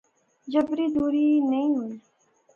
جبری دوری نئیں ہوںی